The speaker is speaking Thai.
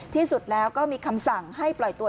ที่สุดแล้วก็มีคำสั่งให้ปล่อยตัว